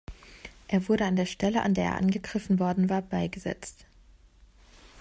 Er wurde an der Stelle, an der er angegriffen worden war, beigesetzt.